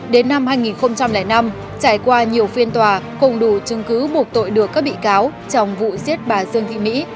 đến năm hai nghìn năm trải qua nhiều phiên tòa cùng đủ chứng cứ buộc tội được các bị cáo trong vụ giết bà dương thị mỹ